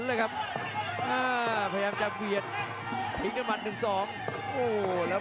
อ้าวเลยครับเตือนเลยครับต้องเตือนครับ